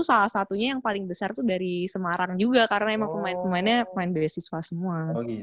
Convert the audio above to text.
salah satunya yang paling besar tuh dari semarang juga karena emang pemain pemainnya pemain beasiswa semua